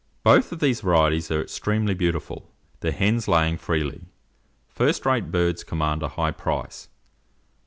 Both of these varieties are extremely beautiful, the hens laying freely. First rate birds command a high price.